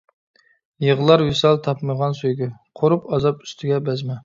يىغلار ۋىسال تاپمىغان سۆيگۈ، قۇرۇپ ئازاب ئۈستىگە بەزمە.